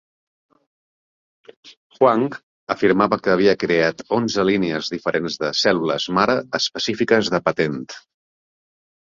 Hwang afirmava que havia creat onze línies diferents de cèl·lules mare específiques de patent.